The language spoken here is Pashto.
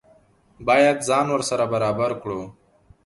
باید ځان ورسره برابر کړو.